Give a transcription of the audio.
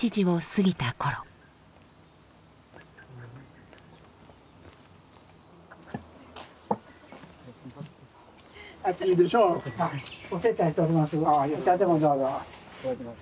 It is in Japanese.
いただきます。